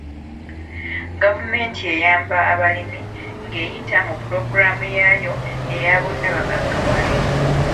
Gavumenti eyamba abalimi nga eyita mu pulogulaamu yaayo eya bonnabagaggawale.